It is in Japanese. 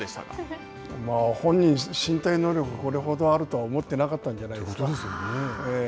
本人、身体能力、これほどあるとは思ってなかったんじゃないですか。